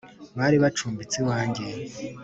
Bari bacumbitse iwanjye .